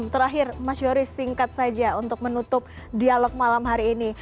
terakhir mas yoris singkat saja untuk menutup dialog malam hari ini